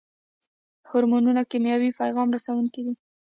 هورمونونه کیمیاوي پیغام رسوونکي دي